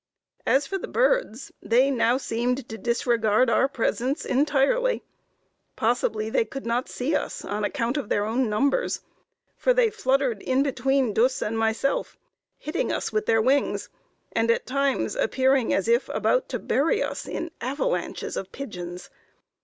As for the birds, they now seemed to disregard our presence entirely; possibly they could not see us on account of their own numbers, for they fluttered in between Dus and myself, hitting us with their wings, and at times appearing as if about to bury us in avalanches of pigeons.